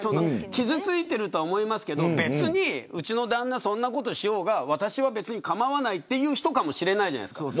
傷ついているとは思いますけど別にうちの旦那そんなことしようが別に構わないという人かもしれないじゃないですか。